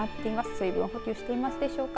水分補給していますでしょうか。